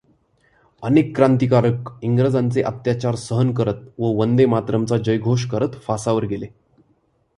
अनेक क्रांतिकारक इंग्रजांचे अत्याचार सहन करत व वंदेमातरमचा जयघोष करत फासावर गेले.